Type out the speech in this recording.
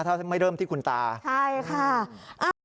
ถ้าไม่เริ่มที่คุณตาอนะคะนี่ค่ะ